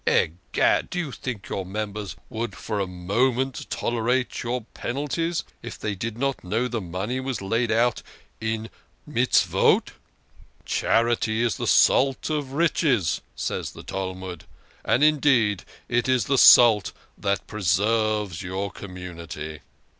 Egad, do you think your members would for a moment tolerate your penalties, if they did not know the money was laid out in 'good deeds '? Charity is the salt of riches, says the Talmud, and, indeed, it is the salt that preserves your community."